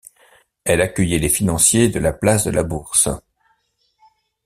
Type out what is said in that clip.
Elle accueillait les financiers de la place de la Bourse.